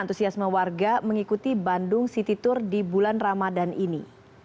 antusiasme warga mengikuti bandung city tour di bulan ramadan ini